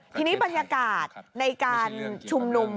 ทีนี้บรรยากาศในการชุมนุม